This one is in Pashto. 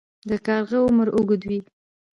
د کارغه عمر اوږد وي